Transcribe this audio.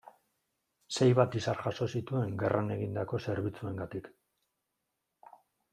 Sei bat izar jaso zituen gerran egindako zerbitzuengatik.